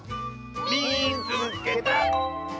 「みいつけた！」。